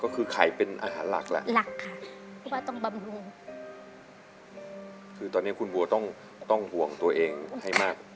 ก็คือไข่เป็นอาหารหลักละคือตอนนี้คุณบัวต้องห่วงตัวเองให้มาก